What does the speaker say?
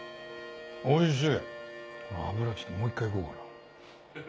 おいしい脂もう一回いこうかな。